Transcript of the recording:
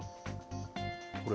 これ、